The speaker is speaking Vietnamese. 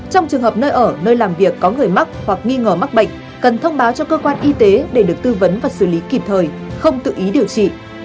trong trường hợp nơi ở nơi làm việc có người mắc hoặc nghi ngờ mắc bệnh cần thông báo cho cơ quan y tế để được tư vấn và xử lý kịp thời không tự ý điều trị